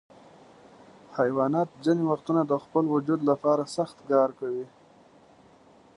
حیوانات ځینې وختونه د خپل وجود لپاره سخت کار کوي.